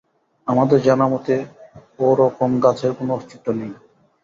আমাদের জানা মতে ও রকম গাছের কোনো অস্তিত্ব নেই।